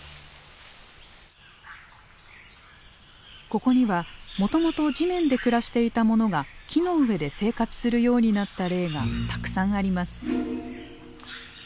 ここにはもともと地面で暮らしていた者が木の上で生活するようになった例がたくさんあります。